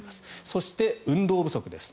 そして、運動不足です。